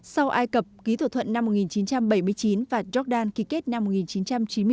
sau ai cập ký thỏa thuận năm một nghìn chín trăm bảy mươi chín và jordan ký kết năm một nghìn chín trăm chín mươi chín